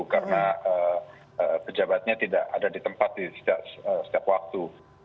karena pejabatnya tidak ada di tempat setiap waktu